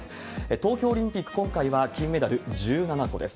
東京オリンピック、今回は金メダル１７個です。